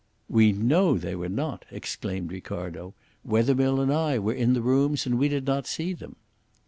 "We know they were not," exclaimed Ricardo. "Wethermill and I were in the rooms and we did not see them."